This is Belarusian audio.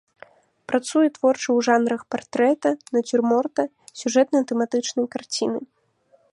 Працуе творча ў жанрах партрэта, нацюрморта, сюжэтна-тэматычнай карціны.